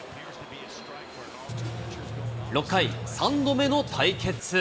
６回、３度目の対決。